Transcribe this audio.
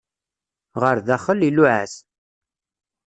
Ɣer daxel, iluɛa-t.